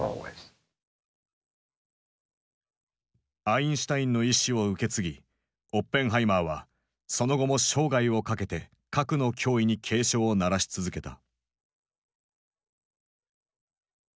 アインシュタインの遺志を受け継ぎオッペンハイマーはその後も生涯を懸けて核の脅威に警鐘を鳴らし続けた。